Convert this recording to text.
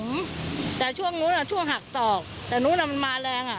มีข้อนั่นนี้ังไม่หลุมไม่พออะไรด้วย